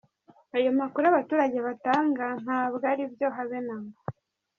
Ayo makuru abaturage batanga ntabwo ari byo habe namba.